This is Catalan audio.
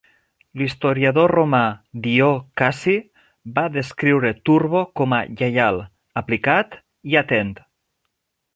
L'historiador romà Dió Cassi va descriure Turbo com a "lleial, aplicat i atent".